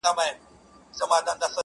نه چي اختر نمانځلی نه چي پسرلی نمانځلی